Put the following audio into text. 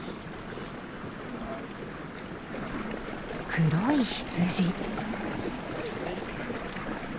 黒い羊。